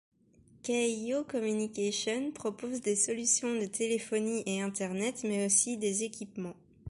Keyyo Communications propose des solutions de téléphonie et internet, mais aussi des équipements.